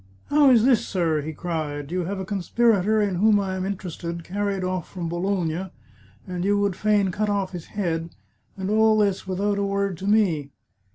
" How is this, sir? " he cried ;" you have a conspirator in whom I am interested carried off from Bologna, and you would fain cut oflF his head, and all this without a word to me.